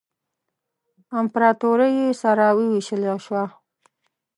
امپراطوري یې سره ووېشل شوه.